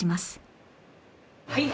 はい。